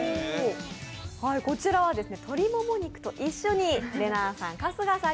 こちらは鶏もも肉と一緒にれなぁさん